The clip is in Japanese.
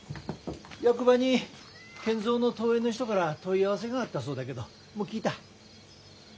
役場に賢三の遠縁の人から問い合わせがあったそうだけどもう聞いた？